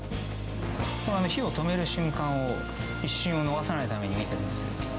火を止める瞬間を一瞬を逃さないために見てます。